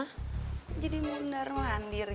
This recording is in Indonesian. kok jadi mundar mandir gitu